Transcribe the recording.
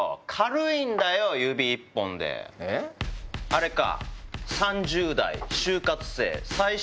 あれか。